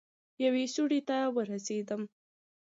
يوې سوړې ته ورسېدم.